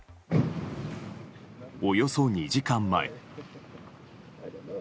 およそ２時間前。